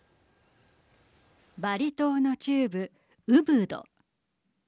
バリ島の中部、ウブド。